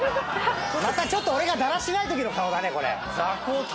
「またちょっと俺がだらしないときの顔だね」